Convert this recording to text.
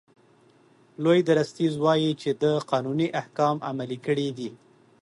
لوی درستیز وایي چې ده قانوني احکام عملي کړي دي.